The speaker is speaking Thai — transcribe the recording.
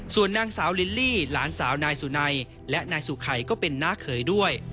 ส่วนนางสาวลิลลี่หลานสาวนายสุนัยและนายสุไขก็เป็นน้าเขยด้วย